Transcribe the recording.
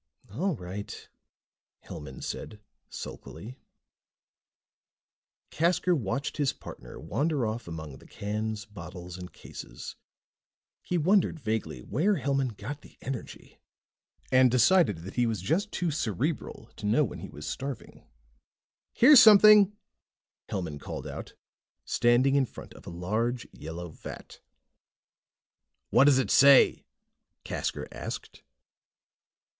"All right," Hellman said sulkily. Casker watched his partner wander off among the cans, bottles and cases. He wondered vaguely where Hellman got the energy, and decided that he was just too cerebral to know when he was starving. "Here's something," Hellman called out, standing in front of a large yellow vat. "What does it say?" Casker asked.